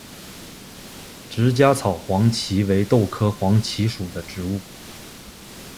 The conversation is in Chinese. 直荚草黄耆为豆科黄芪属的植物。